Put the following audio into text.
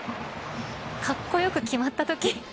かっこよく決まったとき。